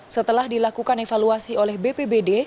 setelah dilakukan evaluasi oleh bpbd